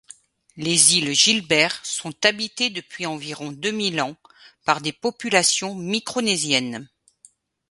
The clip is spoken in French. Les îles Gilbert sont habitées depuis environ deux mille ans par des populations micronésiennes.